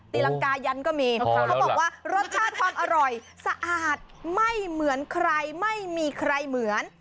ตีรังกายันก็มีเขาบอกว่ารสชาติความอร่อยสะอาดไม่เหมือนใครไม่มีใครเหมือน